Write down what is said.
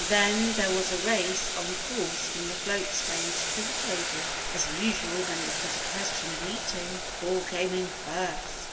Then there was a race on the course from the float stage to the table. As usual, when it was a question of eating, Paul came in first.